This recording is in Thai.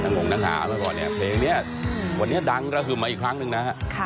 น้ำหมูนะคะมาก่อนเนี่ยเพลงเนี่ยวันนี้ดังระซึมมาอีกครั้งนึงนะฮะ